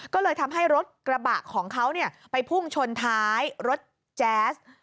ก็เลยทำให้รถกระบะของเขาไปพุ่งชนท้ายรถแจ๊ส